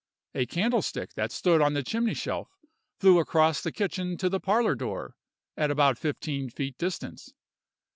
A candlestick that stood on the chimney shelf flew across the kitchen to the parlor door, at about fifteen feet distance.